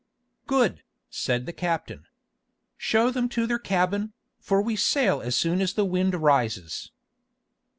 "Good," said the captain. "Show them to their cabin, for we sail as soon as the wind rises."